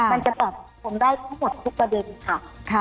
มันจะตอบตรงได้ทั้งหมดทุกประเด็นค่ะ